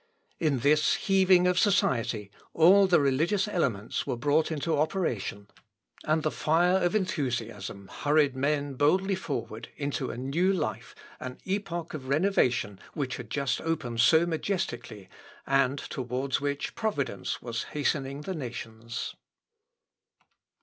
In this heaving of society, all the religious elements were brought into operation, and the fire of enthusiasm hurried men boldly forward into a new life an epoch of renovation which had just opened so majestically, and towards which Providence was hastening the nations.